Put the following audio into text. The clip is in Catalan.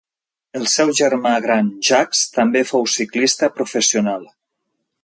El seu germà gran Jacques, també fou ciclista professional.